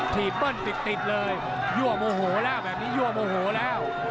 กรีบเบิ้นติดเลยโย่มโโหละแบบนี้โย่มโหละ